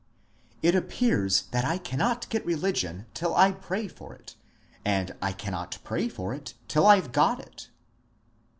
^^ It appears that I cannot get religion till I pray for it, and I cannot pray for it till I 've got it."